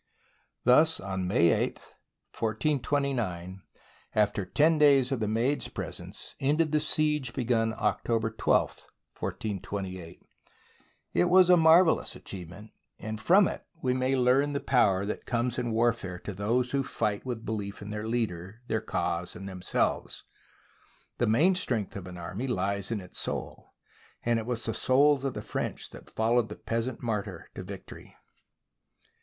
Thus on May 8, 1429, after ten days of the Maid's presence, ended the siege begun October 12, 1428. SIEGE OF ORLEANS It was a marvellous achievement, and from it we may learn the power that comes in warfare to those who fight with belief in their leader, their cause, and themselves. The main strength of an army lies in its soul; and it was the souls of the French that followed the Peasant Martyr to vic tory.